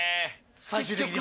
最終的には？